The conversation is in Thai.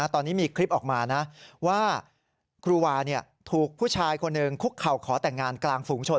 ตอนนี้มีคลิปออกมาว่าครูหว่าถูกผู้ชายขอแต่งงานกลางฝูงชน